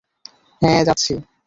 হ্যাঁ, যাচ্ছি।